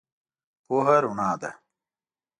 پوهه رنا ده.